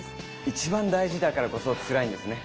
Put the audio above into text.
一番大事だからこそつらいんですね。